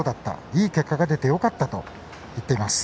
いい結果が出てよかったと言っています。